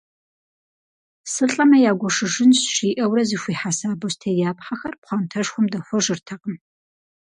«Сылӏэмэ, ягуэшыжынщ» жиӏэурэ, зэхуихьэса бостеяпхъэхэр пхъуантэшхуэм дэхуэжыртэкъым.